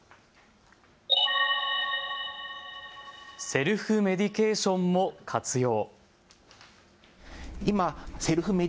セルフメディケーションも活用。